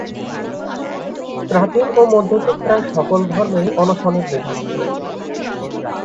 প্রাচীন ও মধ্যযুগে প্রায় সকল ধর্মেই অনশনের বিধান ছিল।